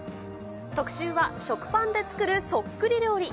特集は食パンで作るそっくり料理。